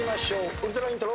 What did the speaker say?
ウルトライントロ。